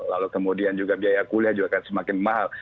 lalu kemudian juga biaya kuliah juga akan semakin mahal